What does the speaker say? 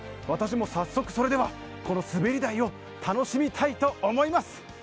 私も早速、それではこの滑り台を楽しみたいと思います。